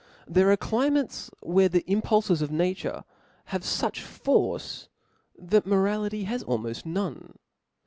There are climates where the impulfes of nature haye fuch force that morality has almoft none.